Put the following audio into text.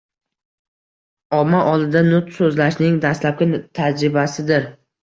omma oldida nutq so‘zlashning dastlabki tajribasidir.